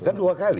kan dua kali